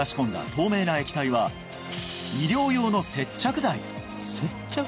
透明な液体は医療用の接着剤！